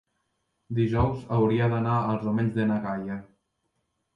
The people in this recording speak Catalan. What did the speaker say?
dijous hauria d'anar als Omells de na Gaia.